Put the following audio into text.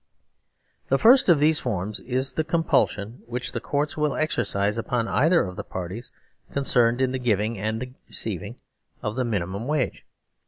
The first of these forms is the compulsion which the Courts will exerciseupon either of the parties con cerned in the giving and in the receiving of the mini mum wage.